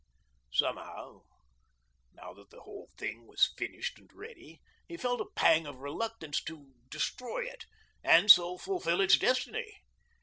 Somehow, now that the whole thing was finished and ready, he felt a pang of reluctance to destroy it and so fulfil its destiny.